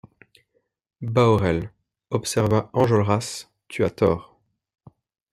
Bahorel, observa Enjolras, tu as tort.